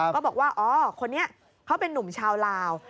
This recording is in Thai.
ก็บอกว่าอ๋อคนนี้เขาเป็นนุ่มชาวลาว